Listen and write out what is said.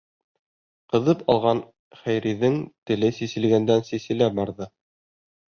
Ҡыҙып алған Хәйриҙең теле сиселгәндән-сиселә барҙы.